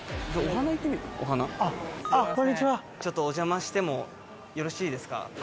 ちょっとお邪魔してもよろしいですか？